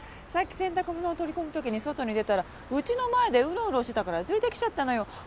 さっき洗濯物を取り込むときに外に出たらうちの前でうろうろしてたから連れてきちゃったのよ。